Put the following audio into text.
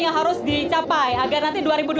yang harus dicapai agar nanti